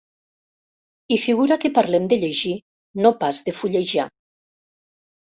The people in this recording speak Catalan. I figura que parlem de llegir, no pas de fullejar.